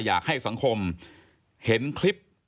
อยากให้สังคมเห็นคลิป